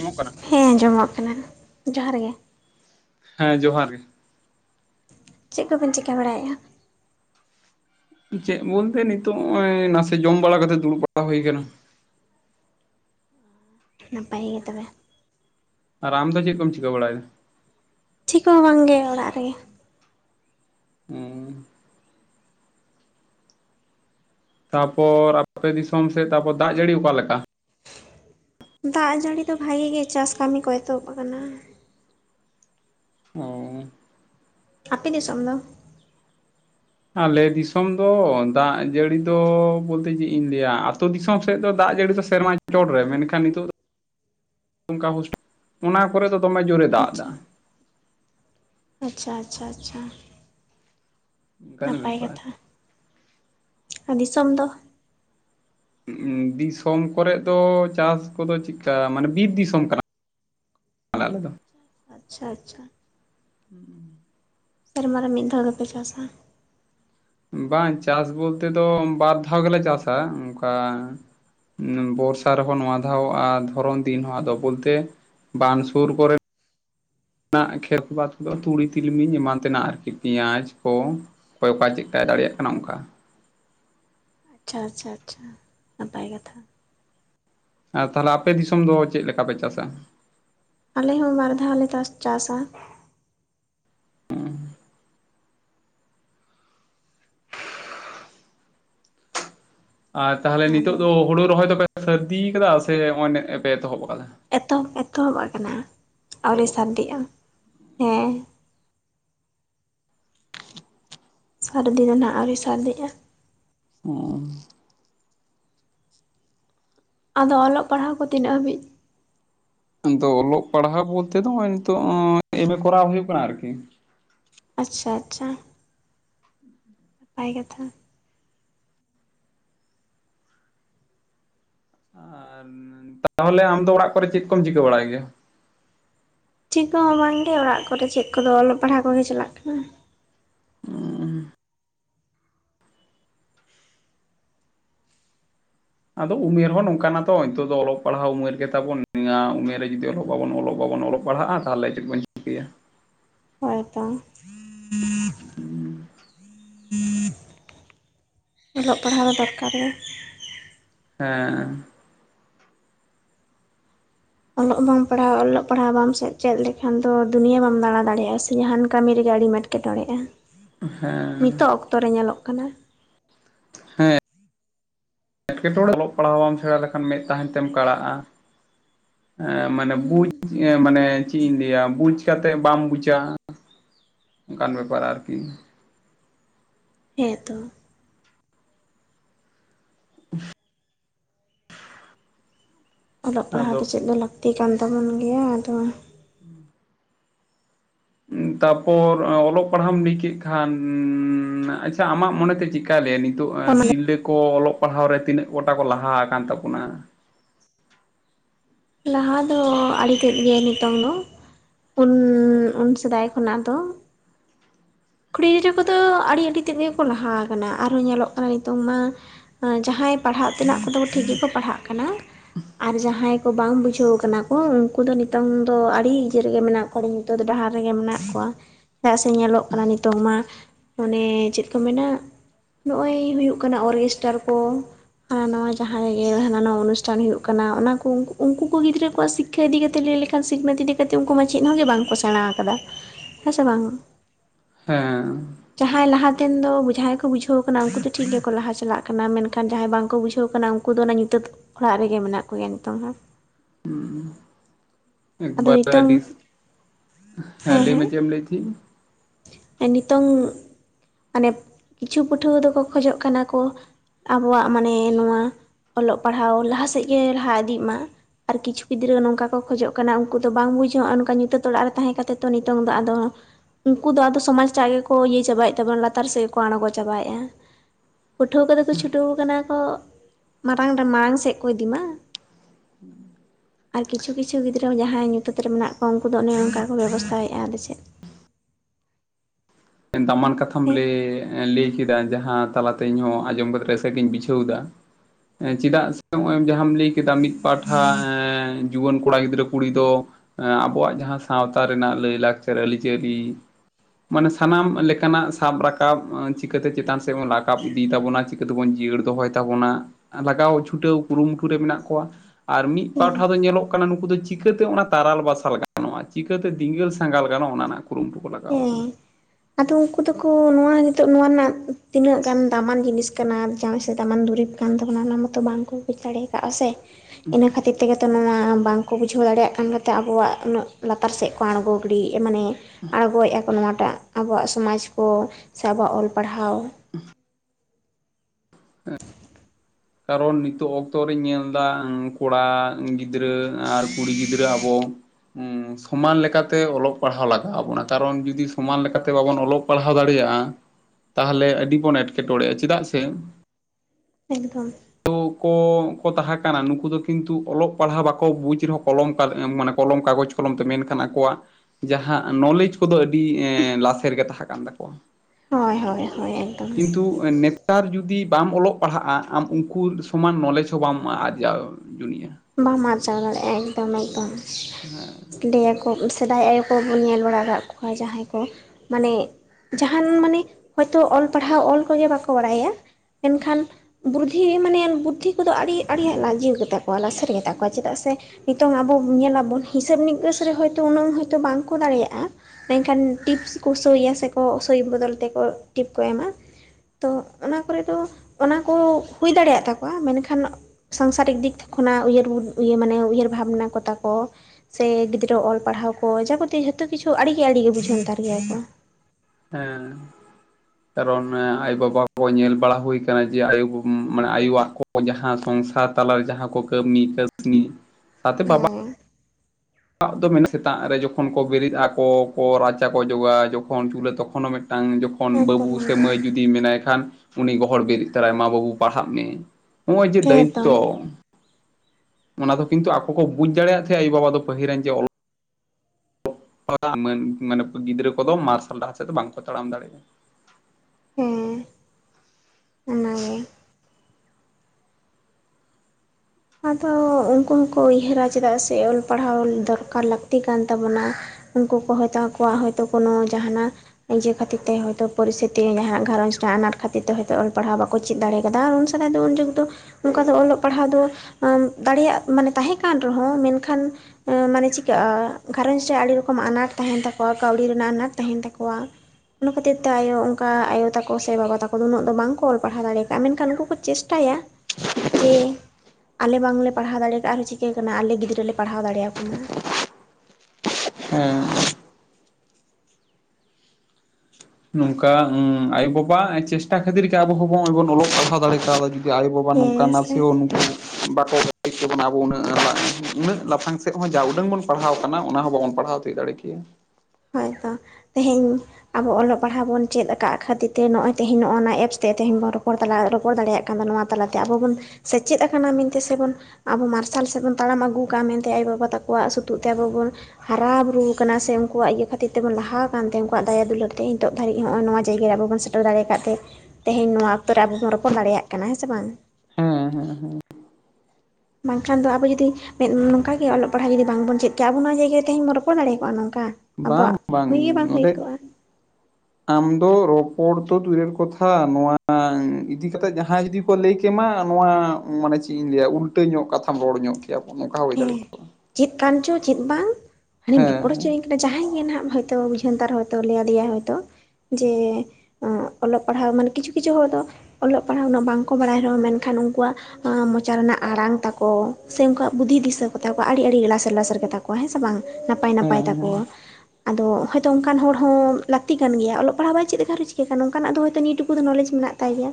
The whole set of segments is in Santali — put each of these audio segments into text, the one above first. ᱮᱢᱚᱜ ᱠᱟᱱᱟ ᱦᱮᱸ ᱟᱸᱡᱚᱢᱚᱜ ᱠᱟᱱᱟ᱾ ᱡᱚᱦᱟᱨ ᱜᱮ ᱦᱮᱸ ᱡᱚᱦᱟᱨ ᱜᱮ᱾ ᱪᱮᱜ ᱠᱚᱵᱮᱱ ᱪᱤᱠᱟ ᱵᱟᱲᱟᱭᱮᱜᱼᱟ? ᱪᱮᱜ ᱵᱚᱞᱛᱮ ᱱᱤᱛᱚᱜ ᱦᱚᱸᱜᱼᱚᱭ ᱱᱟᱥᱮ ᱡᱚᱢ ᱵᱟᱲᱟ ᱠᱟᱛᱮᱜ ᱫᱩᱲᱩᱵ ᱵᱟᱲᱟ ᱦᱩᱭ ᱠᱟᱱᱟ᱾ ᱱᱟᱯᱟᱭ ᱜᱮ ᱛᱚᱵᱮ, ᱟᱨ ᱟᱢ ᱫᱚ ᱪᱮᱜ ᱠᱚᱢ ᱪᱤᱠᱟ ᱵᱟᱲᱟᱭ ᱫᱟ? ᱴᱷᱤᱠ ᱦᱚᱸ ᱵᱟᱝᱜᱮ ᱚᱲᱟᱜ ᱨᱮᱜᱮ᱾ ᱦᱩᱸ ᱛᱟᱯᱚᱨ ᱟᱯᱮ ᱫᱤᱥᱚᱢ ᱥᱮᱫ ᱛᱟᱯᱚᱨ ᱫᱟᱜ ᱡᱟᱹᱲᱤ ᱚᱠᱟᱞᱮᱠᱟ? ᱫᱟᱜ ᱡᱟᱹᱲᱤ ᱫᱚ ᱵᱷᱟᱜᱮ ᱜᱮ ᱪᱟᱥ ᱠᱟᱹᱢᱤ ᱠᱚ ᱮᱛᱚᱦᱚᱵ ᱟᱠᱟᱱᱟ᱾ ᱚᱻ ᱟᱯᱮ ᱫᱤᱥᱚᱢ ᱫᱚ? ᱟᱞᱮ ᱫᱤᱥᱚᱢ ᱫᱚ ᱫᱟᱜ ᱡᱟᱹᱲᱤ ᱫᱚ ᱵᱚᱞᱛᱮ ᱪᱮᱫ ᱤᱧ ᱞᱟᱹᱭᱟ ᱟᱛᱳ ᱫᱤᱥᱚᱢ ᱥᱮᱫ ᱫᱚ ᱫᱟᱜ ᱡᱟᱹᱲᱤ ᱫᱚ ᱥᱮᱨᱢᱟ ᱪᱚᱴᱨᱮ ᱢᱮᱱᱠᱷᱟᱱ ᱱᱤᱛᱚᱜ ᱫᱚ [inaudible] ᱚᱱᱠᱟ ᱦᱚᱸᱥᱴ ᱚᱱᱟ ᱠᱚᱨᱮ ᱫᱚ ᱫᱚᱢᱮ ᱡᱳᱨᱮ ᱮ ᱫᱟᱜ ᱫᱟ᱾ ᱟᱪᱪᱷᱟ ᱟᱪᱪᱷᱟ ᱟᱪᱪᱷᱟ ᱟᱪᱪᱷᱟ ᱚᱱᱠᱟᱱ ᱱᱟᱯᱟᱭ ᱵᱮᱯᱟᱨ᱾ ᱠᱟᱛᱷᱟ᱾ ᱟᱨ ᱫᱤᱥᱚᱢ ᱫᱚ? ᱫᱤᱥᱚᱢ ᱠᱚᱨᱮ ᱫᱚ ᱪᱟᱥ ᱠᱚᱫᱚ ᱪᱤᱠᱠᱟ ᱢᱟᱱᱮ ᱵᱤᱨ ᱫᱤᱥᱚᱢ ᱠᱟᱱᱟ᱾ ᱟ ᱟᱞᱮ ᱫᱚ᱾ ᱟᱪᱪᱷᱟ ᱟᱪᱪᱷᱟ᱾ ᱦᱩᱸ᱾ ᱥᱮᱨᱢᱟ ᱨᱮ ᱢᱤᱫ ᱫᱷᱟᱣ ᱜᱮᱯᱮ ᱪᱟᱥᱟ? ᱵᱟᱝ ᱪᱟᱥ ᱵᱚᱞᱛᱮ ᱫᱚ ᱵᱟᱨ ᱫᱷᱟᱣ ᱜᱮᱞᱮ ᱪᱟᱥᱟ ᱚᱱᱠᱟ ᱵᱚᱨᱥᱟ ᱨᱮᱦᱚᱸ ᱱᱚᱣᱟ ᱫᱷᱟᱣᱼᱟ ᱫᱷᱚᱨᱚᱱ ᱫᱤᱱ ᱦᱚᱸ ᱟᱫᱚ ᱵᱚᱞᱛᱮ ᱵᱟᱸᱫ ᱥᱩᱨ ᱠᱚᱨᱮ ᱠᱷᱮᱛ ᱵᱟᱫᱽ ᱠᱚᱫᱚ ᱛᱩᱲᱤ ᱛᱤᱞᱢᱤᱧ ᱮᱢᱟᱱ ᱛᱮᱱᱟᱜ ᱟᱨᱠᱤ ᱯᱮᱸᱭᱟᱡᱽ ᱠᱚ᱾ ᱚᱠᱚᱭ ᱚᱠᱟ ᱪᱮᱫᱠᱟᱭ ᱫᱟᱲᱮᱭᱟᱜ ᱠᱟᱱᱟ ᱚᱱᱠᱟ᱾ ᱪᱷᱟ ᱪᱷᱟ ᱟᱪᱪᱷᱟ ᱱᱟᱯᱟᱭ ᱠᱟᱛᱷᱟ᱾ ᱟᱨ ᱛᱟᱦᱚᱞᱮ ᱟᱯᱮ ᱫᱤᱥᱚᱢ ᱫᱚ ᱪᱮᱫ ᱞᱮᱠᱟ ᱯᱮ ᱪᱟᱥᱟ? ᱟᱞᱮ ᱦᱚᱸ ᱵᱟᱨᱫᱷᱟ ᱞᱮ ᱛᱟᱥ ᱪᱟᱥᱟ᱾ [unintelligible] ᱟᱨ ᱛᱟᱦᱚᱞᱮ ᱱᱤᱛᱚᱜ ᱟᱫᱚ ᱫᱚ ᱦᱳᱲᱩ ᱨᱚᱦᱚᱭ ᱫᱚᱯᱮ ᱥᱟᱨᱫᱤ ᱠᱟᱫᱟ ᱥᱮ ᱱᱚᱜᱼᱚᱭ ᱱᱮ ᱯᱮ ᱮᱛᱚᱦᱚᱵ ᱟᱠᱟᱫᱟ? ᱮᱛᱚᱦᱚᱵ ᱮᱛᱚᱦᱚᱵ ᱟᱠᱟᱱᱟ ᱟᱹᱣᱨᱤ ᱮᱛᱚᱦᱚᱵ ᱟᱠᱟᱱᱟ ᱥᱟᱹᱨᱫᱤᱜᱼᱟ ᱦᱮᱸ᱾ ᱥᱟᱹᱨᱫᱤ ᱫᱚ ᱱᱷᱟᱜ ᱟᱹᱣᱨᱤ ᱥᱟᱹᱨᱫᱤᱜᱼᱟ᱾ ᱩᱸ ᱟᱫᱚ ᱚᱞᱚᱜ ᱯᱟᱲᱦᱟᱣ ᱠᱚ ᱛᱤᱱᱟᱹᱜ ᱦᱟᱹᱵᱤᱡ? ᱟᱫᱚ ᱚᱞᱚᱜ ᱯᱟᱲᱦᱟᱣ ᱵᱚᱞᱛᱮ ᱫᱚ ᱱᱚᱜ ᱚᱭ ᱱᱤᱛᱚᱜ ᱳᱸ ᱮᱢ ᱮ ᱠᱚᱨᱟᱣ ᱦᱩᱭᱩᱜ ᱠᱟᱱᱟ ᱟᱨᱠᱤ᱾ ᱟᱪᱪᱷᱟ ᱟᱪᱪᱷᱟ᱾ ᱯᱟᱭ ᱠᱟᱛᱷᱟ᱾ ᱟᱨ ᱛᱟᱦᱚᱞᱮ ᱟᱢ ᱫᱚ ᱚᱲᱟᱜ ᱠᱚᱨᱮ ᱪᱮᱫ ᱠᱚᱢ ᱪᱤᱠᱟᱹ ᱵᱟᱲᱟᱭ ᱜᱮᱭᱟ? ᱪᱤᱠᱟᱹ ᱦᱚᱸ ᱵᱟᱝ ᱜᱮ ᱚᱲᱟᱜ ᱠᱚᱨᱮ ᱪᱮᱫ ᱠᱚᱫᱚ ᱚᱞᱚᱜ ᱯᱟᱲᱦᱟᱜ ᱠᱚᱜᱮ ᱪᱟᱞᱟᱜ ᱠᱟᱱᱟ᱾ ᱟᱫᱚ ᱩᱢᱮᱨ ᱦᱚᱸ ᱱᱚᱝᱠᱟᱱᱟ ᱛᱚ ᱱᱤᱛᱚᱜ ᱫᱚ ᱚᱞᱚᱜ ᱯᱟᱲᱦᱟᱣ ᱩᱢᱮᱨ ᱜᱮᱛᱟᱵᱚᱱ ᱱᱤᱭᱟᱹ ᱩᱢᱮᱨ ᱨᱮ ᱡᱩᱫᱤ ᱚᱞᱚᱜ ᱵᱟᱵᱚᱱ ᱚᱞᱚᱜ ᱵᱟᱵᱚᱱ ᱚᱞᱚᱜ ᱯᱟᱲᱦᱟᱜᱼᱟ ᱛᱟᱦᱞᱮ ᱪᱮᱫ ᱵᱚᱱ ᱪᱷᱤᱠᱟᱹᱭᱟ? ᱦᱚᱭᱛᱚ᱾ ᱚᱞᱚᱜ ᱯᱟᱲᱦᱟᱣ ᱫᱚ ᱫᱚᱨᱠᱟᱨ ᱜᱮ᱾ ᱦᱮᱸ᱾ ᱚᱞᱚᱜ ᱵᱟᱢ ᱯᱟᱲᱦᱟᱣ ᱚᱞᱚᱜ ᱯᱟᱲᱦᱟᱜ ᱵᱟᱢ ᱥᱮ ᱪᱮᱫ ᱞᱮᱠᱷᱟᱱ ᱫᱚ ᱫᱩᱱᱭᱟᱹ ᱵᱟᱢ ᱫᱟᱬᱟ ᱫᱟᱲᱮᱭᱟᱜᱼᱟ ᱥᱮ ᱡᱟᱦᱟᱱ ᱠᱟᱹᱢᱤ ᱨᱮᱜᱮ ᱟᱹᱰᱤ ᱮᱴ ᱠᱮᱴᱚᱬᱮᱜᱼᱟ ᱦᱮᱸ ᱱᱤᱛᱚᱜ ᱚᱠᱛᱚ ᱨᱮ ᱧᱮᱞᱚᱜ ᱠᱟᱱᱟ᱾ ᱦᱮᱸ ᱮᱴᱠᱮᱴᱚᱬᱮ ᱚᱞᱚᱜ ᱯᱟᱲᱦᱟᱜ ᱵᱟᱢ ᱥᱮᱬᱟ ᱞᱮᱠᱷᱟᱱ ᱢᱮᱫ ᱛᱟᱦᱮᱸᱱ ᱛᱮᱢ ᱠᱟᱲᱟᱜᱼᱟ᱾ [inaudible] ᱮᱸ ᱢᱟᱱᱮ ᱵᱩᱡᱽ ᱮᱸ ᱢᱟᱱᱮ ᱪᱮᱫ ᱤᱧ ᱞᱟᱹᱭᱟ ᱵᱩᱡᱽ ᱠᱟᱛᱮᱜ ᱵᱟᱢ ᱵᱩᱪᱟ᱾ ᱚᱱᱠᱟᱱ ᱵᱮᱯᱟᱨ ᱟᱨᱠᱤ᱾ ᱦᱮᱸ ᱛᱚ᱾ ᱚᱞᱚᱜ ᱯᱟᱲᱦᱟᱣ ᱟᱫᱚ ᱫᱚ, ᱪᱮᱫ ᱫᱚ ᱞᱟᱹᱠᱛᱤ ᱠᱟᱱ ᱛᱟᱵᱚᱱ ᱜᱮᱭᱟ, ᱟᱫᱚ [inaudible] ᱛᱟᱯᱚᱨ, ᱚᱞᱚᱜ ᱯᱟᱲᱦᱟᱣᱮᱢ ᱞᱟᱹᱭ ᱠᱮᱜ ᱠᱷᱟᱱ, ᱩᱸᱻᱝᱻ ᱟᱪᱪᱷᱟ, ᱟᱢᱟᱜ ᱢᱚᱱᱮᱛᱮ ᱪᱮᱠᱟ ᱞᱟᱹᱭᱟ ᱱᱤᱛ- ᱛᱚᱜ, ᱚᱱᱟ ᱛᱤᱨᱞᱟᱹ ᱠᱚ, ᱚᱞᱚᱜ ᱯᱟᱲᱦᱟᱣ ᱨᱮ, ᱛᱤᱱᱟᱹᱜ ᱜᱚᱴᱟ ᱠᱚ, ᱞᱟᱦᱟ ᱟᱠᱟᱱ ᱛᱟᱵᱚᱱᱟ ᱾ ᱞᱟᱦᱟ ᱫᱚ, ᱟᱹᱰᱤ ᱛᱮᱫ ᱜᱮ, ᱱᱤᱛᱚᱝ ᱫᱚ ᱩᱱᱼ ᱩᱱ ᱥᱮᱫᱟᱭ, ᱠᱷᱚᱱᱟᱜ ᱫᱚ ᱠᱩᱲᱤ ᱜᱤᱫᱽᱨᱟᱹ ᱠᱚᱫᱚ, ᱟᱹᱰᱤ, ᱟᱹᱰᱤ ᱛᱮᱫ ᱜᱮᱠᱚ, ᱞᱟᱦᱟ ᱟᱠᱟᱱᱟ ᱾ ᱟᱨᱦᱚᱸ, ᱧᱮᱞᱚᱜ ᱠᱟᱱᱟ, ᱱᱤᱛᱚᱝ ᱢᱟ ᱡᱟᱦᱟᱸᱭ, ᱯᱟᱲᱦᱟᱜ ᱛᱮᱱᱟᱜ ᱠᱚᱫᱚ, ᱴᱷᱤᱠ ᱜᱮᱠᱚ, ᱯᱟᱲᱦᱟᱜ ᱠᱟᱱᱟ, ᱟᱨ ᱡᱟᱦᱟᱸᱭ ᱠᱚ, ᱵᱟᱝ ᱵᱩᱡᱷᱟᱹᱣᱟᱠᱟᱱᱟ ᱠᱚ, ᱩᱱᱠᱩ ᱫᱚ ᱱᱤᱛᱚᱝ ᱫᱚ, ᱟᱹᱰᱤ ᱤᱭᱟᱹ ᱨᱮᱜᱮ, ᱢᱮᱱᱟᱜ ᱠᱚᱣᱟ, ᱟᱹᱰᱤ ᱧᱩᱛᱟᱹᱛ, ᱰᱟᱦᱟᱨ ᱨᱮᱜᱮ ᱢᱮᱱᱟᱜ ᱠᱚᱣᱟ ᱾ ᱪᱮᱫᱟᱜ ᱥᱮ, ᱧᱮᱞᱚᱜ ᱠᱟᱱᱟ, ᱱᱤᱛᱚᱝ ᱢᱟ, ᱟᱱᱮ ᱪᱮᱫ ᱠᱚ, ᱢᱮᱱᱟ ᱱᱚᱜᱼᱚᱭ, ᱦᱩᱭᱩᱜ ᱠᱟᱱᱟ, ᱚᱨᱜᱮᱥᱴᱟᱨ ᱠᱚ ᱦᱟᱱᱟ ᱱᱟᱣᱟ, ᱡᱟᱦᱟᱸᱭ ᱜᱮ, ᱦᱟᱱᱟ ᱱᱟᱣᱟ ᱚᱱᱩᱥᱴᱷᱟᱱ ᱦᱩᱭᱩᱜ ᱠᱟᱱᱟ, ᱚᱱᱟ, ᱩᱱ ᱩᱱᱠᱩ ᱜᱤᱫᱽᱨᱟᱹ ᱠᱚᱣᱟᱜ, ᱥᱤᱠ ᱥᱤᱠᱷᱟ ᱤᱫᱤ ᱠᱟᱛᱮ ᱞᱟᱹᱭ ᱞᱮᱠᱷᱟᱱ ᱥᱤᱠᱷᱟᱹ ᱤᱫᱤ ᱠᱟᱛᱮ, ᱥᱤᱠᱷᱱᱟᱹᱛ ᱤᱫᱤ ᱠᱟᱛᱮ, ᱩᱱᱠᱩ ᱢᱟ ᱪᱮᱫ ᱦᱚᱸ ᱜᱮ ᱵᱟᱝᱠᱚ, ᱥᱮᱬᱟ ᱟᱠᱟᱫᱟ, ᱦᱮᱸ ᱥᱮ ᱵᱟᱝ? ᱦᱮᱸᱻ ᱾ ᱡᱟᱦᱟᱸᱭ ᱞᱟᱦᱟᱛᱮᱱ ᱫᱚ, ᱵᱩᱡᱷᱟᱹᱣ ᱜᱮᱠᱚ, ᱵᱩᱡᱷᱟᱹᱣ ᱟᱠᱟᱱᱟ, [unintelligible] ᱩᱱᱠᱩ ᱫᱚ, ᱴᱷᱤᱠ ᱜᱮᱠᱚ, ᱞᱟᱦᱟ ᱪᱟᱞᱟᱜ ᱠᱟᱱᱟ ᱾ ᱢᱮᱱᱠᱷᱟᱱ, ᱡᱟᱦᱟᱸᱭ ᱵᱟᱝᱠᱚ, ᱵᱩᱡᱷᱟᱹᱣ ᱟᱠᱟᱱᱟ ᱩᱱᱠᱩ- ᱠᱩ ᱫᱚ, ᱚᱱᱟ ᱧᱩᱛᱟᱹᱛ ᱚᱲᱟᱜ ᱨᱮᱜᱮ, ᱢᱮᱱᱟᱜ ᱠᱚᱜᱮᱭᱟ, ᱱᱤᱛᱚᱝ ᱦᱚᱸ ᱾ ᱩᱸᱻᱶ ᱾ ᱟᱫᱚ ᱮᱵᱟᱨ ᱱᱤᱛᱚᱝ [unintelligible] ᱦᱮᱸ ᱞᱟᱹᱭ ᱢᱮ, ᱪᱮᱜ ᱮᱢ ᱞᱟᱹᱭᱼᱮᱫ ᱛᱟᱦᱮᱸ? ᱮ ᱱᱤᱛᱚᱝ, ᱟᱱᱮ ᱠᱤᱪᱷᱩ ᱯᱟᱹᱴᱷᱣᱟᱹ ᱫᱚᱠᱚ, ᱠᱷᱚᱡᱚᱜ ᱠᱟᱱᱟ ᱠᱚ ᱟᱵᱚᱣᱟᱜ, ᱢᱟᱱᱮ ᱱᱚᱣᱟ, ᱚᱞᱚᱜ, ᱯᱟᱲᱦᱟᱣ, ᱞᱟᱦᱟ ᱥᱮᱫ ᱜᱮ, ᱞᱟᱦᱟ ᱤᱫᱤᱜ ᱢᱟ ᱾ ᱟᱨ, ᱠᱤᱪᱷᱩ ᱜᱤᱫᱽᱨᱟᱹ ᱱᱚᱝᱠᱟ ᱠᱚ, ᱠᱷᱚᱡᱚᱜ ᱠᱟᱱᱟ, ᱩᱱᱠᱩ ᱫᱚ, ᱵᱟᱝ ᱵᱩᱡᱷᱟ ᱦᱟᱸ, ᱱᱚᱝᱠᱟ ᱧᱩᱛᱟᱹᱛ ᱚᱲᱟᱜ ᱨᱮ, ᱛᱟᱦᱮᱸ ᱠᱟᱛᱮ ᱛᱚ, ᱱᱤᱛᱚᱝ ᱫᱚ, ᱟᱫᱚ ᱩᱱᱠᱩ ᱫᱚ, ᱟᱫᱚ ᱥᱚᱢᱟᱡᱽᱴᱟᱜ ᱜᱮᱠᱚ, ᱤᱭᱟᱹ ᱪᱟᱵᱟᱭᱮᱫ ᱛᱟᱵᱚᱱᱟ, ᱞᱟᱛᱟᱨ ᱥᱮᱫ ᱜᱮᱠᱚ, ᱟᱸᱬᱜᱚ ᱪᱟᱵᱟᱭᱮᱫᱼᱟ ᱾ ᱯᱟᱹᱴᱷᱩᱣᱟᱹ ᱠᱚᱫᱚ ᱠᱚ, ᱪᱷᱩᱴᱟᱹᱣ ᱟᱠᱟᱱᱟ ᱠᱚ, ᱢᱟᱨᱟᱝ ᱰᱟᱢᱟᱝ, ᱢᱟᱲᱟᱝ ᱥᱮᱜ ᱠᱚ, ᱤᱫᱤ ᱢᱟ, ᱟᱨ, ᱠᱤᱪᱷᱩ ᱠᱤᱪᱷᱩ ᱜᱤᱫᱽᱨᱟᱹ, ᱡᱟᱦᱟᱸᱭ ᱧᱩᱟᱹᱛ ᱨᱮ, ᱢᱮᱱᱟᱜ ᱠᱚᱣᱟ, ᱩᱱᱠᱩ ᱫᱚ, ᱚᱱᱮ ᱚᱱᱠᱟ ᱠᱚ, ᱵᱮᱵᱚᱥᱛᱟ ᱭᱮᱜᱼᱟ, ᱟᱞᱮ ᱥᱮᱫ ᱫᱟᱢᱟᱱ ᱠᱟᱛᱷᱟᱢ ᱦᱮᱸ ᱞᱮᱭ, ᱞᱟᱹᱭ ᱠᱮᱫᱟ, ᱡᱟᱦᱟᱸ ᱛᱟᱞᱟᱛᱮ, ᱤᱧᱦᱚᱸ ᱟᱸᱡᱚᱢ ᱠᱟᱛᱮ, ᱨᱟᱹᱥᱠᱟᱹ ᱜᱤᱧ ᱵᱩᱡᱷᱟᱹᱣ ᱮᱫᱟ ᱾ ᱪᱮᱫᱟᱜ ᱥᱮ, ᱱᱚᱜ ᱚᱭ ᱡᱟᱦᱟᱸᱢ ᱞᱟᱹᱭ ᱠᱮᱫᱟ, ᱢᱤᱫ ᱯᱟᱦᱴᱟ ᱮᱸᱻ ᱡᱩᱣᱟᱹᱱ ᱠᱚᱲᱟ ᱜᱤᱫᱽᱨᱟᱹ, ᱠᱩᱲᱤ ᱫᱚ ᱟᱸ ᱼᱟᱵᱚᱣᱟᱜ, ᱡᱟᱦᱟᱸ ᱥᱟᱶᱛᱟ ᱨᱮᱱᱟᱜ, ᱞᱟᱹᱭᱼᱞᱟᱠᱪᱟᱨ, ᱟᱹᱞᱤ ᱪᱟᱹᱞᱤ ᱢᱟᱱᱮ, ᱥᱟᱱᱟᱢ ᱞᱮᱠᱟᱱᱟᱜ, ᱥᱟᱵ ᱨᱟᱠᱟᱵ, ᱪᱤᱠᱟᱹᱛᱮ, ᱪᱮᱛᱟᱱ ᱥᱮᱜ ᱵᱚᱱ, ᱞᱟᱠᱟᱵ ᱤᱫᱤ, ᱛᱟᱵᱚᱱᱟ, ᱪᱤᱠᱟᱹ ᱛᱮᱵᱚᱱ, ᱡᱤᱭᱟᱹᱲ ᱫᱚᱦᱚᱭ ᱛᱟᱵᱚᱱᱟ, ᱞᱟᱜᱟᱣ ᱪᱷᱩᱴᱟᱹᱣ ᱠᱩᱨᱩᱢᱩᱴᱩ ᱨᱮ, ᱢᱮᱱᱟᱜ ᱠᱚᱣᱟ᱾ ᱟᱨ, ᱢᱤᱫ ᱦᱩᱸ ᱯᱟᱣᱴᱷᱟ ᱫᱚ, ᱧᱮᱞᱚᱜ ᱠᱟᱱᱟ, ᱱᱩᱠᱩ ᱫᱚ ᱪᱤᱠᱟᱹᱛᱮ, ᱚᱱᱟ ᱛᱟᱨᱟᱞ ᱵᱟᱥᱟᱞ ᱜᱟᱱᱚᱜᱼᱟ, ᱪᱤᱠᱟᱹᱛᱮ, ᱫᱷᱤᱜᱮᱞ ᱥᱟᱸᱜᱟᱞ ᱜᱟᱱᱚᱜᱼᱟ, ᱚᱱᱟ ᱨᱮᱱᱟᱜ, ᱠᱩᱨᱩᱢᱩᱴᱩ ᱠᱚ, ᱞᱟᱜᱟᱣ ᱟᱠᱟᱱᱟ ᱦᱮᱸ ᱾ ᱟᱫᱚ, ᱩᱱᱠᱩ ᱫᱚᱠᱚ, ᱱᱚᱣᱟ ᱦᱤᱛᱚᱜ, ᱱᱚᱣᱟ ᱨᱮᱱᱟᱜ ᱛᱤᱱᱟᱹᱜ ᱜᱟᱱ, ᱫᱟᱢᱟᱱ ᱡᱤᱱᱤᱥ ᱠᱟᱱᱟ, ᱡᱟᱦᱟᱸ ᱥᱮ, ᱫᱟᱢᱟᱱ ᱫᱩᱨᱤᱵᱽ ᱠᱟᱱ ᱛᱟᱵᱚᱱᱟ, ᱚᱱᱟ ᱢᱟᱛᱚ ᱵᱟᱝᱠᱚ, ᱵᱩᱡᱽ ᱫᱟᱲᱮ ᱟᱠᱟᱜᱼᱟ, ᱥᱮ ᱤᱱᱟᱹ ᱠᱷᱟᱹᱛᱤᱨ ᱛᱮᱜᱮ ᱛᱚ, ᱱᱚᱣᱟ ᱵᱟᱝ ᱠᱚ, ᱵᱩᱡᱷᱟᱹᱣ ᱫᱟᱲᱮᱭᱟᱜ ᱠᱟᱱ ᱜᱮᱛᱮ, ᱟᱵᱚᱣᱟᱜ, ᱩᱱᱟᱹᱜ ᱞᱟᱛᱟᱨ ᱥᱮᱫ ᱠᱚ, ᱟᱬᱜᱚ ᱜᱤᱲᱤ ᱮ, ᱢᱟᱱᱮ ᱟᱬᱜᱚᱭᱮᱫ-ᱟ ᱠᱚ, ᱱᱚᱣᱟᱴᱟᱜ, ᱟᱵᱚᱣᱟᱜ ᱥᱚᱢᱟᱡᱽ ᱠᱚ, ᱥᱮ ᱟᱵᱚᱣᱟᱜ, ᱚᱞ ᱯᱟᱲᱦᱟᱣ ᱰᱮᱼᱦᱟᱫ [unintelligible] [unintelligible] ᱮᱸᱻᱫ, ᱠᱟᱨᱚᱱ, ᱱᱤᱛᱚᱜ ᱚᱠᱛᱚ ᱨᱤᱧ ᱧᱮᱞ ᱮᱫᱟ, ᱠᱚᱲᱟ ᱜᱤᱫᱽᱨᱟᱹ, [unintelligible] ᱟᱨ ᱠᱩᱲᱤ ᱜᱤᱫᱽᱨᱟᱹ, ᱟᱵᱚ ᱦᱩᱸ, ᱥᱚᱢᱟᱱ ᱞᱮᱠᱟᱛᱮ, ᱚᱞᱚᱜ ᱯᱟᱲᱦᱟᱣ ᱞᱟᱜᱟᱣ ᱟᱵᱚᱱᱟ, ᱠᱟᱨᱚᱱ ᱡᱩᱚᱫᱤ, ᱥᱚᱢᱟᱱ ᱞᱮᱠᱟᱛᱮ ᱵᱟᱵᱚᱱ, ᱚᱞᱚᱜ ᱯᱟᱲᱦᱟᱣ ᱫᱟᱲᱮᱭᱟᱜᱼᱟ, ᱛᱟᱦᱚᱞᱮ, ᱟᱹᱰᱤ ᱵᱚᱱ, ᱮᱴᱠᱮᱴᱚᱬᱮᱜᱼᱟ, ᱪᱮᱫᱟᱜ ᱥᱮ? ᱮᱠᱫᱚᱢ, ᱾ [unintelligible] ᱠᱚ ᱠᱚ, ᱛᱟᱦᱮᱸ ᱠᱟᱱᱟ, ᱱᱩᱠᱩ ᱫᱚ, ᱠᱤᱱᱛᱩ ᱚᱞᱚᱜ ᱯᱟᱲᱦᱟᱣ ᱵᱟᱠᱚ, ᱵᱩᱡᱽ ᱨᱮᱦᱚᱸ, ᱠᱚᱞᱚᱢ ᱠᱟᱜ ᱮᱸ ᱢᱟᱱᱮ ᱠᱚᱞᱚᱢ ᱠᱟᱜᱚᱡᱽ ᱠᱚᱞᱚᱢ ᱛᱮ, ᱢᱮᱱᱠᱷᱟᱱ, ᱟᱠᱚᱣᱟᱜ ᱡᱟᱦᱟᱸ ᱱᱚᱞᱮᱡᱽ ᱠᱚᱫᱚ, ᱟᱹᱰᱤ ᱮᱸᱻ ᱞᱟᱥᱮᱨ ᱜᱮ, ᱛᱟᱦᱮᱸ ᱠᱟᱱ ᱛᱟᱠᱚᱣᱟ ᱾ ᱦᱳᱭ, ᱦᱳᱭ ᱦᱳᱭ ᱾ ᱠᱤᱱᱛᱩ ᱱᱮ ᱱᱮᱛᱟᱨ ᱡᱩᱫᱤ ᱵᱟᱢ ᱚᱞᱚᱜ ᱯᱟᱲᱦᱟᱜᱼᱟ ᱟᱢ ᱩᱱᱠᱩ ᱥᱚᱢᱟᱱ ᱱᱚᱞᱮᱡᱽ ᱦᱚᱸ ᱵᱟᱢ ᱟᱨᱡᱟᱣ ᱡᱩᱱᱤᱡ-ᱟ᱾ ᱵᱟᱢ ᱟᱨᱡᱟᱣ ᱫᱟᱲᱮᱭᱟᱜᱼᱟ ᱮᱠᱫᱚᱢ ᱮᱠᱫᱚᱢ᱾ ᱦᱮᱸ, ᱞᱟᱹᱭᱟᱠᱚ ᱥᱮᱫᱟᱭ ᱟᱭᱳ ᱠᱚᱵᱚᱱ ᱧᱮᱞ ᱵᱟᱲᱟ ᱟᱠᱟᱫ ᱠᱚᱣᱟ ᱡᱟᱦᱟᱸᱭ ᱠᱚ ᱢᱟᱱᱮ, ᱡᱟᱦᱟᱱ ᱢᱟᱱᱮ ᱦᱚᱭᱛᱳ ᱚᱞ ᱯᱟᱲᱦᱟᱣ ᱚᱞ ᱠᱚᱜᱮ ᱵᱟᱠᱚ ᱵᱟᱲᱟᱭᱟ᱾ ᱮᱱᱠᱷᱟᱱ ᱵᱩᱨᱫᱷᱤ ᱢᱟᱱᱮ ᱵᱩᱫᱽᱫᱷᱤ ᱠᱚᱫᱚ ᱟᱹᱰᱤ ᱟᱹᱰᱤ ᱟᱡᱤᱵ ᱜᱮᱛᱟ ᱠᱚᱣᱟ ᱞᱟᱥᱮᱨ ᱜᱮᱛᱟ ᱠᱚᱣᱟ ᱪᱮᱫᱟᱜ ᱥᱮ? ᱦᱤᱛᱚᱝ ᱟᱵᱚ ᱧᱮᱞᱟᱵᱚᱱ ᱦᱤᱥᱟᱹᱵ ᱱᱤᱟᱹᱥ ᱨᱮ ᱦᱚᱭᱛᱳ ᱩᱱᱟᱹᱜ ᱦᱭᱛᱳ ᱵᱟᱝᱠᱚ ᱫᱟᱲᱮᱭᱟᱜᱼᱟ᱾ ᱢᱮᱱᱠᱷᱟᱱ ᱴᱤᱯᱥ ᱠᱚᱥᱳᱭᱟ ᱥᱮᱠᱚ ᱥᱳᱭ ᱵᱚᱫᱚᱞ ᱛᱮᱠᱚ ᱴᱤᱯᱥ ᱠᱚ ᱮᱢᱟ? ᱛᱚ ᱚᱱᱟ ᱠᱚᱨᱮ ᱫᱚ ᱚᱱᱟ ᱠᱚ ᱦᱩᱭ ᱫᱟᱲᱮᱭᱟᱜ ᱛᱟᱠᱚᱣᱟ ᱢᱮᱱᱠᱷᱟᱱ ᱥᱟᱝᱥᱟᱨᱤᱠ ᱫᱤᱠ ᱛᱷᱮᱠᱮ‌, ᱠᱷᱚᱱᱟᱜ ᱩᱭᱦᱟᱹᱨ ᱢᱟᱱᱮ ᱩᱭᱦᱟᱹᱨ ᱵᱷᱟᱵᱽᱱᱟ ᱠᱚ ᱛᱟᱠᱚ᱾ ᱥᱮ ᱜᱤᱫᱽᱨᱟᱹ ᱚᱞ ᱯᱟᱲᱦᱟᱣ ᱠᱚ ᱡᱟᱠᱚᱛᱤ ᱡᱷᱚᱛᱚ ᱠᱤᱪᱷᱩ ᱟᱹᱰᱤᱜᱮ ᱟᱹᱰᱤᱜᱮ ᱵᱩᱡᱷᱱᱛᱟᱨ ᱜᱮᱭᱟ ᱠᱚ᱾ ᱦᱮᱸ, ᱠᱟᱨᱚᱱ ᱟᱭᱳᱼᱵᱟᱵᱟ ᱠᱚ ᱧᱮᱞ ᱵᱟᱲᱟ ᱦᱩᱭ ᱠᱟᱱᱟ ᱡᱮ ᱟᱭᱳ ᱢᱟᱱᱮ ᱟᱭᱳᱣᱟᱜ ᱠᱚ ᱡᱟᱦᱟᱸ ᱥᱚᱝᱥᱟᱨ᱾ ᱛᱟᱞᱮ ᱡᱟᱦᱟᱸ ᱠᱚ ᱠᱟᱹᱢᱤ ᱠᱟᱹᱥᱱᱤ ᱥᱟᱶᱛᱮ ᱵᱟᱵᱟ ᱦᱮᱸ ᱫᱟᱜ ᱫᱚ ᱢᱮᱱ ᱥᱮᱛᱟᱜ ᱨᱮ ᱡᱚᱠᱷᱚᱱ ᱠᱚ ᱵᱮᱨᱮᱫ ᱟᱠᱚ᱾ ᱠᱚ ᱨᱟᱪᱟ ᱠᱚ ᱚ ᱡᱚᱜᱟ ᱡᱚᱠᱷᱚᱱ ᱪᱩᱞᱟᱹ ᱛᱚᱠᱷᱚᱱ ᱦᱚᱸ ᱢᱤᱫᱴᱟᱝ ᱡᱚᱠᱷᱚᱱ ᱵᱟᱹᱵᱩ ᱮᱠᱫᱚᱢ ᱮᱠᱫᱚᱢ ᱥᱮ ᱢᱟᱹᱭ ᱜᱤᱫᱽ ᱩᱱᱤ ᱢᱮᱱᱟᱭ ᱠᱷᱟᱱ ᱩᱱᱤ ᱜᱚᱦᱚᱲ ᱵᱮᱨᱮᱫ ᱛᱚᱨᱟᱭ ᱢᱟ ᱵᱟᱹᱵᱩ ᱯᱟᱲᱦᱟᱜ ᱢᱮ ᱱᱚᱜᱼᱚᱭ ᱡᱮ ᱦᱮᱸ ᱛᱚ ᱫᱟᱭᱤᱛᱚ᱾ ᱚᱱᱟ ᱫᱚ ᱠᱤᱱᱛᱩ ᱟᱠᱚ ᱠᱚ ᱵᱩᱡᱽ ᱫᱟᱲᱮᱭᱟᱜ ᱛᱟᱦᱮᱸᱫ ᱟᱭᱳᱵᱟ ᱫᱚ ᱯᱟᱹᱦᱤᱨ ᱨᱮᱱ ᱡᱮ ᱚᱞ ᱢᱟᱱᱮ ᱜᱤᱫᱽᱨᱟᱹ ᱠᱚᱫᱚ ᱢᱟᱨᱥᱟᱞ ᱰᱟᱦᱟᱨ ᱥᱮᱫ ᱫᱚ ᱵᱟᱝᱠᱚ ᱛᱟᱲᱟᱢ ᱫᱟᱲᱮᱭᱟᱜᱼᱟ᱾ ᱦᱮᱸ ᱚᱱᱟᱜᱮ᱾ ᱟᱫᱚ ᱩᱱᱠᱩ ᱦᱚᱱᱸᱠᱚ ᱩᱭᱦᱟᱹᱨᱟ ᱪᱮᱫᱟᱜ ᱥᱮ ᱚᱞ ᱯᱟᱲᱦᱟᱣ ᱫᱚᱨᱠᱟᱨ ᱞᱟᱹᱠᱛᱤ ᱠᱟᱱ ᱛᱟᱵᱚᱱᱟ᱾ ᱩᱱᱠᱩ ᱠᱚ ᱦᱚᱭ ᱛᱚ ᱟᱠᱭᱟᱜ ᱦᱳᱭᱛᱳ ᱠᱳᱱᱳ ᱡᱟᱦᱟᱱᱟᱜ, ᱤᱭᱟᱹ ᱠᱷᱟᱹᱛᱤᱨ ᱛᱮ ᱦᱚᱭᱛᱳ ᱯᱚᱨᱤᱥᱛᱷᱤᱛᱤ ᱡᱟᱦᱟᱸ ᱜᱷᱟᱨᱚᱸᱡᱽ ᱨᱮᱱᱟᱜ ᱟᱱᱟᱴ ᱠᱷᱟᱹᱛᱤᱨ ᱛᱮ ᱦᱳᱭᱛᱳ ᱚᱞ ᱯᱟᱲᱦᱟᱣ ᱵᱟᱠᱚ, ᱪᱮᱫ ᱫᱟᱲᱮ ᱠᱟᱫᱟ ᱟᱨ ᱩᱱ ᱥᱮᱫᱟᱭ ᱫᱚ ᱩᱱ ᱡᱩᱜ ᱫᱚ ᱚᱱᱠᱟ ᱫᱚ ᱚᱞᱚᱜ ᱯᱟᱲᱦᱟᱣ ᱫᱚ, ᱫᱟᱲᱮᱭᱟᱜ ᱢᱟᱱᱮ ᱛᱟᱦᱮᱸ ᱠᱟᱱ ᱨᱮᱦᱚᱸ ᱢᱮᱱᱠᱷᱟᱱ, ᱢᱟᱱᱮ ᱪᱤᱠᱟᱹᱜᱼᱟ ᱜᱷᱟᱸᱨᱚᱡᱽ ᱨᱮ ᱟᱰᱤ ᱨᱚᱠᱚᱢ ᱟᱱᱟᱴ ᱛᱟᱦᱮᱱ ᱛᱟᱠᱚᱣᱟ ᱠᱟᱹᱣᱰᱤ ᱨᱮᱱᱟᱜ ᱟᱱᱟᱴ ᱛᱟᱦᱮᱱ ᱛᱟᱠᱣᱟ᱾ ᱚᱱᱟ ᱠᱷᱟᱹᱛᱤᱨ ᱛᱮ ᱟᱭᱳ ᱚᱱᱠᱟ ᱟᱭᱳ ᱛᱟᱠᱚ ᱥᱮ ᱵᱟᱵᱟ ᱛᱟᱠᱚ ᱫᱚ ᱩᱱᱟᱹᱜ ᱫᱚ ᱵᱟᱝᱠᱚ ᱚᱞ ᱯᱟᱲᱦᱟᱣ ᱫᱟᱲᱮᱠᱟᱜᱼᱟ ᱢᱮᱱᱠᱷᱟᱱ ᱩᱱᱠᱩ ᱠᱚ ᱪᱮᱥ ᱴᱟᱭᱟ ᱡᱮ, ᱟᱞᱮ ᱵᱟᱝᱞᱮ ᱯᱟᱲᱦᱟᱣ ᱫᱟᱲᱮᱭᱟᱠᱟᱜᱼᱟ ᱟᱨᱦᱚᱸ ᱪᱤᱠᱟᱹ ᱠᱟᱱᱟ ᱟᱞᱮ ᱜᱤᱫᱽᱨᱟᱹᱞᱮ ᱯᱟᱲᱦᱟᱣ ᱫᱟᱲᱮᱭᱟᱠᱚ ᱢᱟ᱾ ᱦᱮᱸ ᱱᱚᱝᱠᱟ ᱦᱚᱸ ᱟᱭᱳ ᱵᱟᱵᱟ-ᱟᱜ ᱪᱮᱥᱴᱟ ᱠᱷᱟᱹᱛᱤᱨ ᱜᱮ ᱟᱵᱚ ᱦᱚᱸᱵᱚᱱ ᱱᱚᱜᱼᱚᱭ ᱵᱚᱱ ᱚᱞᱚᱜ ᱯᱟᱲᱦᱟᱣ ᱫᱟᱲᱮ ᱠᱟᱣᱫᱟ᱾ ᱟᱭᱳ ᱵᱟᱵᱟ ᱱᱚᱝᱠᱟ ᱦᱮᱸ ᱥᱮ ᱱᱟᱥᱮᱭᱳ ᱩᱱᱠᱩ ᱵᱟᱠᱚ [unintelligible] ᱵᱚᱱᱟ ᱟᱵᱚ ᱩᱱᱟᱹᱜ ᱩᱱᱟᱹᱜ ᱞᱟᱯᱷᱟᱝ ᱥᱮᱫ ᱦᱚᱸ ᱡᱟ ᱩᱰᱟᱹᱝ ᱵᱚᱱ ᱯᱟᱲᱦᱟᱣ ᱠᱟᱱᱟ ᱚᱱᱟ ᱦᱚᱸ ᱵᱟᱵᱚᱱ ᱯᱟᱲᱦᱟᱣ ᱫᱟᱲᱮ ᱠᱮᱭᱟ᱾ ᱦᱳᱭ ᱛᱚ ᱛᱮᱦᱮᱧ, ᱟᱵᱚ ᱚᱞᱚᱜ ᱯᱟᱲᱦᱟᱣ ᱵᱚᱱ ᱪᱮᱫ ᱟᱠᱟᱫ ᱠᱷᱟᱹᱛᱤᱨ ᱛᱮ ᱱᱚᱜᱼᱚᱭ ᱛᱮᱦᱮᱧ ᱱᱚᱜᱼᱚ ᱱᱟ ᱮᱯᱥ ᱛᱮᱦᱮᱧ ᱵᱚᱱ ᱨᱚᱯᱚᱲ ᱨᱚᱯᱚᱲ ᱫᱮᱭᱟᱜ ᱠᱟᱱᱟ᱾ ᱠᱟᱱ ᱱᱚᱣᱟ ᱛᱟᱞᱟᱛᱮ ᱟᱵᱚ ᱵᱚᱱ ᱥᱮᱪᱮᱫ ᱠᱟᱱᱟ ᱢᱮᱱᱛᱮ ᱥᱮᱵᱚᱱ, ᱟᱵᱚ ᱢᱟᱨᱥᱟᱞ ᱥᱮᱫ ᱵᱚᱱ ᱛᱟᱲᱟᱢ ᱟᱹᱜᱩ ᱠᱟᱜᱼᱟ ᱢᱮᱱᱛᱮ ᱟᱭᱳᱼᱵᱟᱵᱟ ᱛᱟᱠᱚᱣᱟᱜ ᱥᱩᱛᱩᱳᱜ ᱛᱮ ᱟᱵᱚ ᱵᱚᱱ, ᱦᱟᱨᱟ ᱵᱩᱨᱩ ᱠᱟᱱᱟ ᱥᱮ? ᱩᱱᱠᱩᱣᱟᱜ ᱤᱭᱟᱹ ᱠᱷᱟᱹᱛᱤᱨ ᱛᱮᱵᱚᱱ ᱞᱟᱦᱟ ᱠᱟᱱᱛᱮ ᱩᱱᱠᱩᱣᱟᱜ ᱫᱟᱭᱟ ᱫᱩᱞᱟᱹᱲ ᱛᱮ ᱱᱤᱛᱚᱜ ᱫᱷᱟᱹᱨᱤᱡ ᱦᱚᱸᱜᱼᱚᱭ ᱱᱚᱣᱟ ᱡᱟᱭᱜᱟ ᱨᱮ ᱟᱵᱚ ᱵᱚᱱ ᱥᱮᱴᱮᱨ ᱫᱟᱲᱮ ᱠᱟᱫ ᱛᱮ, ᱛᱮᱦᱮᱧ ᱱᱚᱣᱟ ᱚᱠᱛᱚ ᱨᱮ ᱟᱵᱚ ᱵᱚᱱ ᱨᱚᱚᱲ ᱫᱟᱲᱮᱭᱟᱜ ᱠᱟᱱᱟ ᱦᱮᱸ ᱥᱮ ᱵᱟᱝ? ᱦᱮᱸ ᱦᱮᱸ ᱦᱮᱸ, ᱵᱟᱝᱠᱷᱟᱱ ᱫᱚ ᱟᱵᱚ ᱡᱩᱫᱤ, ᱢᱮᱫ ᱱᱚᱝᱠᱟ ᱜᱮ ᱚᱞᱚᱜ ᱯᱟᱲᱦᱟᱜ ᱡᱩᱫᱤ ᱵᱟᱝᱵᱚᱱ ᱪᱮᱫ ᱠᱮᱭᱟ ᱟᱵᱚ ᱱᱚᱣᱟ ᱡᱟᱭᱜᱟ ᱨᱮ ᱛᱮᱦᱮᱧ ᱵ ᱨᱚᱯᱚᱲ ᱫᱟᱲᱮ ᱠᱚᱜᱣᱟ ᱱᱚᱝᱠᱟ? ᱵᱟᱝ ᱟᱵᱚᱣᱟᱜ ᱵᱟᱝ ᱦᱩᱭ ᱜᱮ ᱦᱩᱭ ᱱᱚᱸᱰᱮ ᱠᱚᱜᱼᱟ ᱟᱢ ᱫᱚ ᱨᱚᱯᱚᱲ ᱛᱚ ᱫᱩᱨᱮᱨ ᱠᱚᱛᱷᱟ ᱱᱚᱣᱟ ᱤᱫᱤ ᱠᱟᱛᱮᱜ ᱡᱟᱦᱟᱸᱭ ᱡᱩᱫᱤ ᱠᱚ ᱞᱟᱹᱭ ᱠᱮ ᱢᱟ ᱱᱚᱣᱟ ᱢᱟᱱᱮ ᱪᱮᱫ ᱤᱧ ᱞᱟᱹᱭᱟ ᱩᱞᱴᱟᱹ ᱧᱚᱜ ᱠᱟᱛᱷᱟᱢ ᱨᱚᱲ ᱧᱚᱜ ᱠᱮᱭᱟ ᱱᱚᱝᱠᱟ ᱦᱚᱸ ᱦᱩᱭ ᱫᱟᱲᱮ ᱦᱮᱸ ᱠᱚᱣᱟ᱾ ᱪᱮᱫ ᱠᱟᱱ ᱪᱚ ᱪᱮᱫ ᱵᱟᱝ ᱦᱟᱹᱱᱤᱢ ᱦᱮᱸ ᱨᱚᱯᱚᱲ ᱦᱮᱸ ᱚᱪᱚᱭᱮ ᱡᱟᱦᱟᱸᱭ ᱜᱮ ᱱᱟᱦᱟᱸᱜ ᱦᱚᱭᱛᱳ ᱵᱩᱡᱷᱟᱹᱱ ᱛᱟᱨ ᱦᱚᱭᱛ ᱞᱟᱹᱭ ᱟᱫᱮᱟᱭ ᱦᱚᱭᱛᱳ ᱡᱮ ᱚᱞᱚᱜ ᱯᱟᱲᱦᱟᱜ ᱢᱟᱱᱮ ᱠᱤᱪᱷᱩ ᱠᱤᱪᱷᱩ ᱦᱚᱲ ᱫᱚ ᱚᱞᱚᱜ ᱯᱟᱲᱦᱟᱣ ᱩᱱᱟᱹᱜ ᱵᱟᱝᱠᱚ ᱵᱟᱲᱟᱭ ᱨᱮᱦᱚᱸ ᱢᱮᱱᱠᱷᱟᱱ ᱩᱱᱠᱩᱣᱟᱜ ᱢᱚᱪᱟ ᱨᱮᱱᱟᱜ ᱟᱲᱟᱝ ᱛᱟᱠᱚ ᱥᱮ ᱩᱝᱠᱩᱣᱟᱜ ᱵᱩᱫᱷᱤ ᱫᱤᱥᱟᱹ ᱠᱚᱛᱟ ᱠᱚᱣᱟ ᱟᱹᱰᱤ ᱟᱹᱰᱤ ᱞᱟᱥᱮᱨ ᱞᱟᱥᱮᱨ ᱜᱮᱛᱟ ᱠᱚᱣᱟ ᱦᱮᱸ ᱥᱮ ᱵᱟᱝ? ᱱᱟᱯᱟᱭ ᱱᱟᱯᱟᱭ ᱦᱮᱸ ᱦᱮᱸ ᱛᱟᱠᱚᱣᱟ᱾ ᱟᱫᱚ ᱦᱳᱭᱛᱚ ᱚᱱᱠ ᱦᱚᱲ ᱦᱚᱸ ᱞᱟᱠᱛᱤ ᱠᱟᱱ ᱜᱮᱭᱟ ᱚᱞᱚᱜ ᱯᱟᱲᱦᱟᱜᱟᱭ ᱪᱮᱫ ᱞᱮᱠᱟᱟᱱ ᱪᱤᱠᱟᱹ ᱠᱟᱱᱟ ᱚᱱᱠᱟᱱᱟᱜ ᱫᱚ ᱦᱭ ᱱᱤᱭᱟᱹ ᱴᱩᱠᱩ ᱫᱚ ᱱᱚᱞᱮᱡᱽ ᱢᱮᱱᱟᱜ ᱛᱟᱭ ᱜᱮᱭᱟ᱾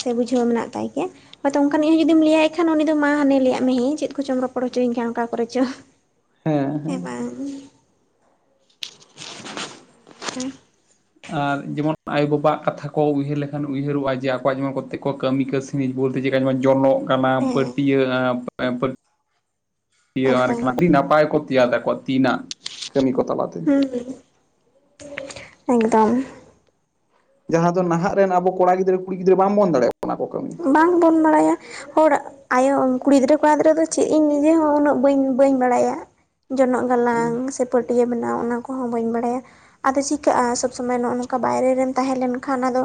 ᱥᱮ ᱵᱩᱡᱷᱟᱹᱣ ᱢᱮᱱᱟᱜ ᱛᱟᱭ ᱜᱮᱭᱟ ᱦᱚᱭᱛᱚ ᱚᱱᱠᱟᱱᱤᱡ ᱦᱚᱸ ᱡᱩᱫᱤᱢ ᱞᱟᱹᱭᱟᱭ ᱠᱷᱟᱱ ᱩᱱᱤ ᱫᱚ ᱢᱟ ᱦᱟᱱᱮ ᱞᱟᱹᱭᱟᱜ ᱢᱮ ᱦᱮᱸ ᱪᱮᱫ ᱠᱚᱪᱚᱢ ᱨᱚᱯᱚᱲ ᱦᱚᱪᱩᱧ ᱠᱟᱱ ᱚᱱᱠᱟ ᱠᱚᱨᱮ ᱪᱚᱝ ᱦᱮᱸ ᱵᱟᱝ? ᱦᱮᱸ᱾ ᱟᱨ ᱡᱮᱢᱚᱱ ᱟᱭᱳᱵᱟᱵᱟᱣᱟᱜ ᱠᱟᱛᱷᱟ ᱠᱚ ᱩᱭᱦᱟᱹᱨ ᱞᱮᱠᱷᱟᱱ ᱩᱭᱦᱟᱹᱨᱚᱜᱼᱟ ᱡᱮ ᱟᱠᱚᱣᱟᱜ ᱡᱮᱢᱚᱱ ᱠᱚᱛᱮ ᱠᱚ ᱠᱟᱹᱢᱤ ᱠᱟᱹᱥ ᱡᱤᱱᱤᱡ ᱵᱚᱞᱛᱮ ᱡᱮᱠᱟ [unintelligible] ᱡᱚᱱᱚᱜ ᱠᱟᱱᱟ ᱯᱟᱹᱴᱭᱟᱹ ᱟᱸ ᱯᱟᱹ ᱴᱤᱭᱟᱹ ᱟᱨ ᱮᱠᱫᱚᱢ ᱟᱹᱰᱤ ᱟᱹᱰᱤ ᱱᱟᱯᱟᱭ ᱠᱚ ᱛᱮᱭᱟᱨ ᱛᱟᱠᱩᱣᱟ᱾ ᱛᱤᱱᱟᱜ ᱠᱟᱹᱢᱤ ᱠᱚ ᱛᱟᱞᱟᱛᱮ᱾ ᱦᱩᱸ ᱮᱠᱫᱚᱢ᱾ ᱡᱟᱦᱟᱸ ᱫᱚ ᱱᱟᱦᱟᱸᱜ ᱨᱮᱱ ᱟᱵᱚ ᱠᱚᱲᱟ ᱜᱤᱫᱽᱨᱟᱹ ᱠᱩᱲ ᱜᱤᱫᱽᱨ ᱵᱟ ᱵᱚᱱ ᱫᱟᱲᱮᱭᱟᱜᱼᱟ ᱚᱱᱟ ᱠᱚ ᱠᱟᱹᱢᱤ᱾ ᱵᱟᱝᱵᱚᱱ ᱵᱟᱲᱟᱭᱟ, ᱦᱚᱲ ᱟᱭᱳ ᱠᱩᱲᱤ ᱜᱤᱫᱽᱨᱟᱹ ᱠᱚᱲᱟ ᱜᱤᱫᱽᱨᱟᱹ ᱫᱚ ᱪᱮᱫ ᱤᱧ ᱱᱤᱡᱮ ᱦᱚᱸ ᱩᱱᱟᱹᱜ ᱵᱟᱹᱧ ᱵᱟᱹᱧ ᱵᱟᱲᱟᱭᱟ᱾ ᱡᱚᱱᱚᱜ ᱜᱟᱞᱟᱝ ᱥᱮ ᱯᱟᱹᱴᱭᱟᱹ ᱵᱮ ᱱᱟᱣ ᱚᱱᱟ ᱠᱚᱦᱚᱸ ᱵᱟᱹᱧ ᱵᱟᱲᱟᱭᱟ ᱟᱫᱚ ᱪᱤᱠᱟᱹᱜᱼᱟ ᱥᱚᱵ ᱥᱚᱢᱚᱭ ᱱᱚᱜᱼᱚ ᱱᱚᱝᱠᱟ ᱵᱟᱭᱨᱮ ᱨᱮᱢ ᱛᱟᱦᱮᱸ ᱞᱮᱱᱠᱷᱟᱱ ᱟᱫᱚ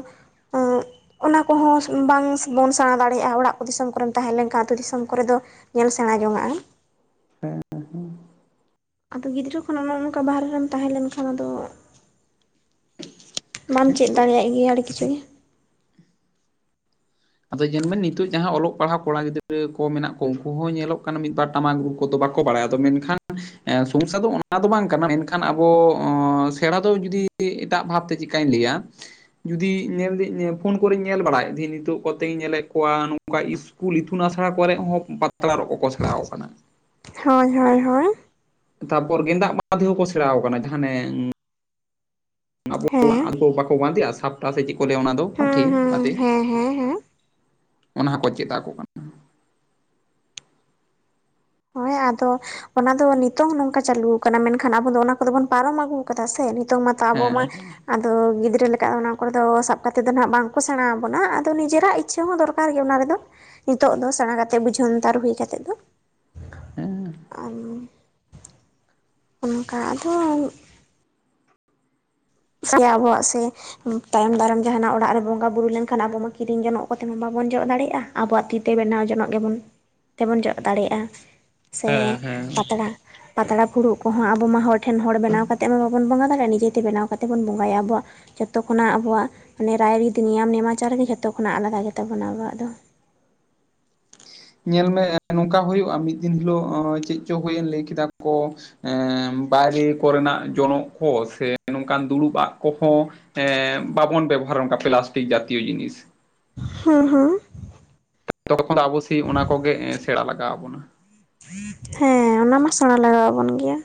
ᱟᱸᱜ ᱚᱱᱟ ᱠᱚᱦᱚᱸ ᱵᱟᱝ ᱵᱚᱱ ᱥᱮᱬᱟ ᱫᱟᱲᱮᱭᱟᱜᱼᱟ ᱚᱲᱟᱜ ᱫᱤᱥᱚᱢ ᱠᱚᱨᱮᱢ ᱛᱟᱦᱮᱸ ᱞᱮᱱᱠᱷᱟᱱ ᱟᱹᱛᱩ ᱫᱤᱥᱚᱢ ᱠᱚᱨᱮ ᱫᱚ ᱧᱮᱞ ᱥᱮᱬᱟ ᱡᱚᱝᱟᱜᱼᱟ᱾ ᱦᱮᱸ ᱮᱸ ᱦᱮᱸ᱾ ᱟᱫᱚ ᱜᱤᱫᱽᱨᱟᱹ ᱠᱷᱚᱱᱟᱜ ᱱᱚᱜᱼᱚ ᱱᱚᱝᱠᱟ ᱵᱟᱦᱨᱮ ᱨᱮᱢ ᱛᱟᱦᱮᱸ ᱞᱮᱱ ᱠᱷᱟᱱ ᱟᱫᱚ ᱵᱟᱢ ᱦᱮᱸ ᱪᱮᱫ ᱟᱫᱚ ᱫᱟᱲᱮᱭᱟᱜ ᱜᱮᱭᱟ ᱟᱹᱰᱤ ᱠᱤᱪᱷᱩ ᱜᱮ᱾ ᱟᱫᱚ ᱡᱮᱞᱢᱮ ᱱᱤᱛᱚᱜ ᱡᱟᱦᱟᱸ ᱚᱞᱚᱜ ᱯᱟᱲᱦᱟᱜ ᱠᱚᱲᱟ ᱜᱤᱫᱽᱨᱟᱹ ᱠᱚ ᱢᱮᱱᱟᱜ ᱠᱚ ᱩᱱᱠᱩ ᱦᱚᱸ ᱧᱮᱞᱚᱜ ᱠᱟᱱᱟ ᱢᱤᱫᱵᱟᱨ ᱴᱟᱢᱟᱠ ᱨᱩ ᱠᱚᱫᱚ ᱵᱟᱠᱚ ᱵᱟᱲᱟᱭᱟ ᱟᱫᱚ ᱢᱮᱱᱠᱷᱟᱱ ᱮᱸ ᱥᱚᱢᱚᱥᱥᱟ ᱫᱚ ᱚᱱᱟ ᱫᱚ ᱵᱟᱝ ᱠᱟᱱᱟ ᱢᱮᱱᱠᱷᱟᱱ ᱟᱵᱚ ᱥᱮᱬᱟ ᱫᱚ ᱡᱩᱫᱤ ᱮᱴᱟᱜ ᱵᱷᱟᱵᱛᱮ ᱪᱤᱠ ᱠᱟᱹᱧ ᱞᱟᱹᱭᱟ ᱡᱩᱫᱤ ᱧᱮᱞ ᱫᱟᱹᱧ ᱯᱷᱳᱱ ᱠᱚᱨᱮᱧ ᱧᱮᱞ ᱵᱟᱲᱟᱭ ᱫᱷᱤ ᱱᱤᱛᱚᱜ ᱠᱚᱛᱮᱧ ᱧᱮᱞᱮᱫ ᱠᱚᱣᱟ ᱱᱚᱝᱠᱟ ᱤᱥᱠᱩᱞ ᱤᱛᱩᱱ ᱟᱥᱲᱟ ᱠᱚᱨᱮ ᱦᱚᱸ ᱯᱟᱛᱲᱟ ᱠᱚᱠᱚ ᱥᱮᱬᱟ ᱟᱠᱚ ᱠᱟᱱᱟ᱾ ᱦᱚᱭ ᱦᱚᱭ ᱦᱚᱭ᱾ ᱛᱟᱯᱚᱨ ᱜᱮᱸᱫᱟᱜ ᱢᱟᱫᱷᱮᱦᱚᱸ ᱠᱚ ᱥᱮᱬᱟ ᱠᱟᱱᱟ ᱡᱟᱦᱟᱸ ᱟᱱᱮ ᱦᱮᱸ ᱟᱵᱚᱣᱟᱜ ᱵᱟᱠᱚ ᱵᱟᱸᱫᱮᱜᱼᱟ ᱥᱟᱯᱴᱟ ᱥᱮ ᱪᱮᱫ ᱠᱚ ᱞᱟᱹᱭᱟ ᱚᱱᱟ ᱫᱚ ᱯᱟᱴᱷᱮ ᱦᱮᱸ ᱦᱮᱸ ᱵᱟᱸᱫᱮ ᱦᱮᱸ ᱦᱮᱸ ᱦᱮᱸ ᱚᱱᱟ ᱦᱚᱸᱠᱚ ᱪᱮᱫ ᱟᱠᱚ ᱠᱟᱱᱟ᱾ ᱦᱳᱭ ᱟᱫᱚ ᱚᱱᱟ ᱫᱚ ᱱᱤᱛᱚᱝ ᱱᱚᱝᱠᱟ ᱪᱟᱹᱞᱩ ᱠᱟᱱᱟ ᱢᱮᱱᱠᱷᱟᱱ ᱟᱵᱚ ᱫᱚ ᱚᱱᱟ ᱠᱚᱫᱚ ᱵᱚᱱ ᱯᱟᱨᱚᱢ ᱟᱹᱜᱩ ᱠᱟᱫᱟ ᱥᱮ, ᱱᱤᱛᱚᱝ ᱢᱟᱛᱚ ᱟᱵᱚ ᱢᱟ ᱦᱮᱸ ᱟᱫᱚ ᱜᱤᱫᱽᱨᱟᱹ ᱞᱮᱠᱟ ᱫᱚ ᱚᱱᱟ ᱠᱚᱨᱮ ᱫᱚ ᱥᱟᱵᱽ ᱠᱟᱛᱮᱫ ᱫᱚ ᱱᱟᱸᱜ ᱵᱟᱝ ᱠᱚ ᱥᱮᱬᱟᱣᱟ ᱵᱚᱱᱟ ᱟᱫᱚ ᱱᱤᱡᱮᱨᱟᱜ ᱤᱪᱪᱷᱟᱹ ᱦᱚᱸ ᱫᱚᱨᱠᱟᱨ ᱜᱮ ᱚᱱᱟ ᱨᱮᱫᱚ᱾ ᱱᱤᱛᱚᱜ ᱫᱚ ᱥᱮᱬᱟ ᱠᱟᱛᱮᱫ ᱵᱩᱡᱷᱟᱹᱱᱛᱟᱨ ᱦᱩᱭ ᱠᱟᱛᱮᱫ ᱫᱚ᱾ ᱦᱮᱸ ᱟᱸᱢ ᱚᱱᱠᱟ ᱟᱫᱚ ᱥᱟᱭᱟ ᱟᱵᱚᱣᱟᱜ ᱥᱮ ᱛᱟᱭᱚᱢ ᱫᱟᱨᱟᱢ ᱡᱟᱦᱟᱱᱟᱜ ᱚᱲᱟᱜ ᱨᱮ ᱵᱚᱸᱜᱟ ᱵᱩᱨᱩ ᱞᱮᱱᱠᱷᱟᱱ ᱟᱵᱚ ᱢᱟ ᱠᱤᱨᱤᱧ ᱡᱚᱱᱚᱜ ᱠᱚᱛᱮ ᱦᱚᱸ ᱵᱟᱵᱚᱱ ᱡᱚᱜ ᱫᱟᱲᱮᱭᱟᱜᱼᱟ ᱟᱵᱚᱣᱟᱜ ᱛᱤᱛᱮ ᱵᱮᱱᱟᱣ ᱡᱚᱱᱚᱜ ᱜᱮᱵᱚᱱ, ᱛᱮᱵᱚᱱ ᱡᱚᱜ ᱫᱟᱲᱮᱭᱟᱜᱼᱟ᱾ ᱥᱮ ᱦᱮᱸ ᱦᱮᱸ ᱯᱟᱛᱲᱟ, ᱯᱟᱛᱲᱟ ᱯᱷᱩᱲᱩᱜ ᱠᱚᱦᱚᱸ ᱟᱵᱚ ᱢᱟ ᱦᱚᱲ ᱴᱷᱮᱱ ᱦᱚᱲ ᱵᱮᱱᱟᱣ ᱠᱟᱛᱮᱜ ᱢᱟ ᱵᱟᱵᱚᱱ ᱵᱚᱸᱜᱟ ᱫᱟᱲᱮᱭᱟᱜᱼᱟ ᱱᱤᱡᱮ ᱛᱮ ᱵᱮᱱᱟᱣ ᱠᱟᱛᱮ ᱵᱚᱱ ᱵᱚᱸᱜᱟᱭᱟ ᱟᱵᱚᱣᱟᱜᱼᱼ ᱡᱷᱚᱛᱚ ᱠᱷᱚᱱᱟᱜ ᱟᱵᱚᱣᱟᱜ ᱢᱟᱱᱮ, ᱨᱟᱭ ᱨᱤᱛ ᱱᱤᱭᱟᱢ ᱱᱮᱢᱟᱪᱟᱨ ᱜᱮ ᱡᱷᱚᱛᱚ ᱠᱷᱚᱱᱟᱜ ᱟᱞᱟᱫᱟ ᱜᱮᱛᱟ ᱵᱚᱱᱟ ᱟᱵᱚᱣᱟᱜ ᱫᱚ᱾ ᱧᱮᱞ ᱢᱮ ᱱᱚᱝᱠᱟ ᱦᱩᱭᱩᱜᱼᱟ ᱢᱤᱫ ᱫᱤᱱ ᱦᱤᱞᱳᱜ ᱚᱸ ᱪᱮᱫ ᱪᱚ ᱦᱩᱭᱮᱱ ᱞᱟᱹᱭ ᱠᱮᱫᱟ ᱠᱚᱼᱼ ᱮᱸ ᱵᱟᱭᱨᱮ ᱠᱚᱨᱮᱱᱟᱜ ᱡᱚᱱᱚᱜ ᱠᱚ ᱥᱮ, ᱱᱚᱝᱠᱟᱱ ᱫᱩᱲᱩᱵᱟᱜ ᱠᱚᱦᱚᱸᱼᱼ ᱮ ᱵᱟᱵᱚᱱ ᱵᱮᱵᱚᱦᱟᱨ ᱚᱝᱠᱟ ᱯᱞᱟᱥᱴᱤᱠ ᱡᱟᱛᱤᱭᱚ ᱡᱤᱱᱤᱥ᱾ ᱦᱩᱸ ᱦᱩᱸ᱾ ᱛᱚᱠᱷᱚᱱ ᱫᱚ ᱟᱵᱚ ᱥᱮᱭ ᱚᱱᱟ ᱠᱚᱜᱮ ᱥᱮᱸᱲᱟ ᱞᱟᱜᱟᱣᱟ ᱵᱚᱱᱟ᱾ ᱚᱱᱟᱢᱟ ᱥᱮᱸᱲᱟ ᱞᱟᱜᱟᱣᱟ ᱵᱚᱱ ᱜᱮᱭᱟ᱾